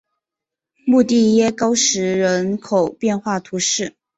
穆蒂耶高石人口变化图示